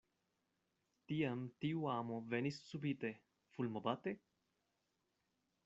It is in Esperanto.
Tiam tiu amo venis subite, fulmobate?